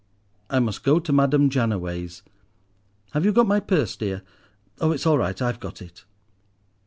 I must go to Madame Jannaway's. Have you got my purse, dear? Oh, it's all right, I've got it."